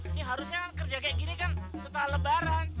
ini harusnya kerja kayak gini kan setelah lebaran